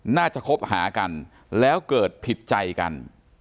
คบหากันแล้วเกิดผิดใจกัน